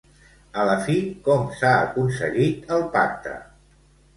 A la fi, com s'ha aconseguit el pacte?